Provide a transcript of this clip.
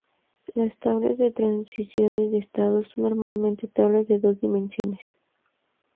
Las tablas de transición de estados son normalmente tablas de dos dimensiones.